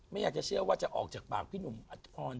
ไม่อยากจะเชื่อว่าจะออกจากปากพี่หนุ่มอัฐพร